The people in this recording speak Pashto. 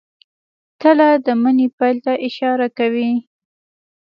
تله د مني پیل ته اشاره کوي.